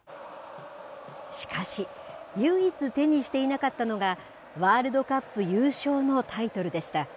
しかし、唯一手にしていなかったのが、ワールドカップ優勝のタイトルでした。